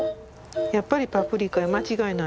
やっぱりパプリカや間違いない。